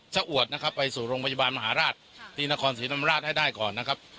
อวดนะครับไปสู่โรงพยาบาลมหาราชที่นครศรีธรรมราชให้ได้ก่อนนะครับ